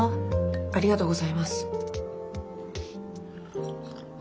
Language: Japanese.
ありがとうございます。